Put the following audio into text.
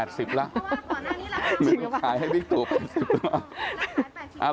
ไม่ได้ขายให้บิ๊กตุ๘๐แล้ว